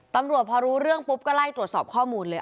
ตำรวจพอรู้เรื่องปุ๊บก็ไล่ตรวจสอบข้อมูลเลย